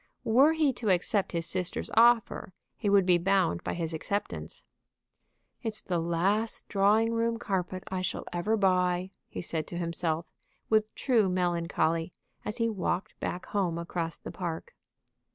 Were he to accept his sister's offer he would be bound by his acceptance. "It's the last drawing room carpet I shall ever buy," he said to himself, with true melancholy, as he walked back home across the park.